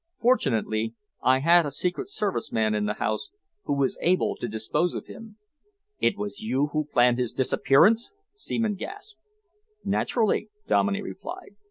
"Fortunately, I had a secret service man in the house who was able to dispose of him." "It was you who planned his disappearance?" Seaman gasped. "Naturally," Dominey replied.